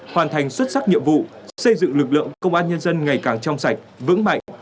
hoàn thành xuất sắc nhiệm vụ xây dựng lực lượng công an nhân dân ngày càng trong sạch vững mạnh